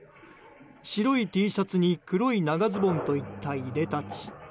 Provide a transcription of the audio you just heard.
白いＴシャツに黒い長ズボンといったいでたち。